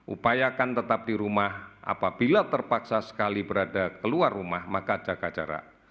upayakan tetap di rumah apabila terpaksa sekali berada keluar rumah maka jaga jarak